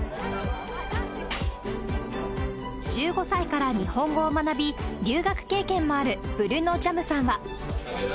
１５歳から日本語を学び、留学経験もあるブリュノ・ジャムさんは。